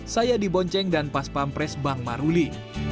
saya dibonceng dan paspampres bang maruli